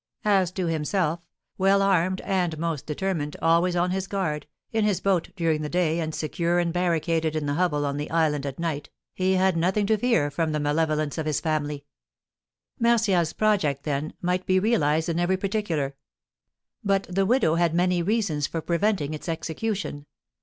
As to himself, well armed and most determined, always on his guard, in his boat during the day, and secure and barricaded in the hovel on the island at night, he had nothing to fear from the malevolence of his family. Martial's project, then, might be realised in every particular; but the widow had many reasons for preventing its execution.